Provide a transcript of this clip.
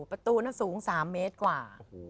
ประตูนั้นสูง๓เมตรกว่า